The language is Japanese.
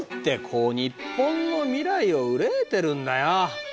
こう日本の未来を憂いてるんだよ！